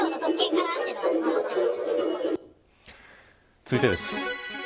続いてです。